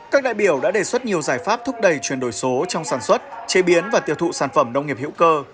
các đại biểu đã đề xuất nhiều giải pháp thúc đẩy chuyển đổi số trong sản xuất chế biến và tiêu thụ sản phẩm nông nghiệp hữu cơ